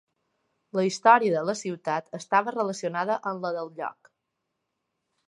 La història de la ciutat estava relacionada amb la del lloc.